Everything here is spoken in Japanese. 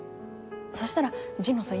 そしたら神野さん